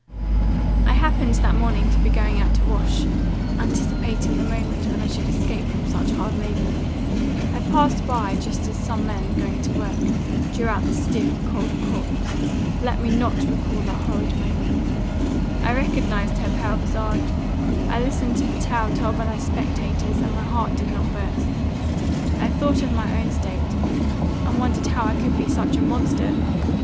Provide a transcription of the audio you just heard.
"I happened that morning to be going out to wash, anticipating the moment when I should escape from such hard labour. I passed by, just as some men, going to work, drew out the stiff, cold corpse Let me not recall the horrid moment! I recognized her pale visage; I listened to the tale told by the spectators, and my heart did not burst. I thought of my own state, and wondered how I could be such a monster!